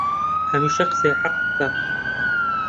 هەمیشە قسەی حەق بکە